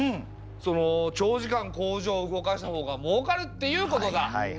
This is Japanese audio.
その長時間工場を動かした方がもうかるっていうことだ！